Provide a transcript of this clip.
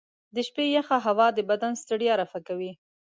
د شپې یخه هوا د بدن ستړیا رفع کوي.